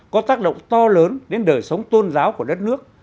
có tác động to lớn đến đời sống tôn giáo của đất nước